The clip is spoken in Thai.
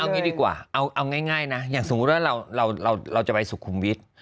งี้ดีกว่าเอาง่ายนะอย่างสมมุติว่าเราจะไปสุขุมวิทย์